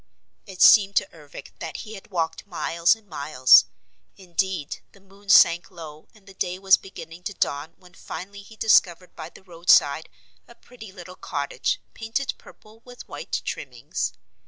It seemed to Ervic that he had walked miles and miles. Indeed the moon sank low and day was beginning to dawn when finally he discovered by the roadside a pretty little cottage, painted purple with white trimmings.